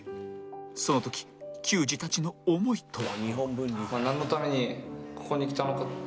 その時球児たちの思いとは？